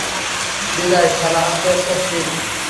বিদায় শালা আস্ত একটা ফির!